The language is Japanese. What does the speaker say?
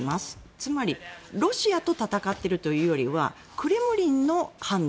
つまり、ロシアと戦っているというよりはクレムリンの判断。